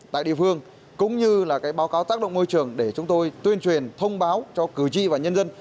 tại địa phương cũng như là báo cáo tác động môi trường để chúng tôi tuyên truyền thông báo cho cử tri và nhân dân